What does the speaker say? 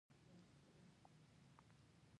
خو زما له احتیاط سره سره زما کالي په وینو ولړل شول.